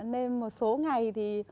lên một số ngày thì